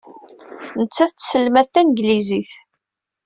Nettat tesselmad tanglizit.